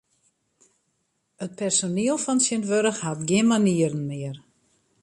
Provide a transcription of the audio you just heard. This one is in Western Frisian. It personiel fan tsjintwurdich hat gjin manieren mear.